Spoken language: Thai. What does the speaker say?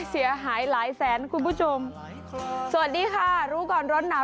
เสียหายหลายแสนคุณผู้ชมสวัสดีค่ะรู้ก่อนร้อนหนาว